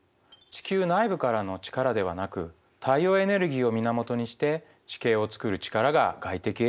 地球内部からの力ではなく太陽エネルギーを源にして地形をつくる力が外的営力です。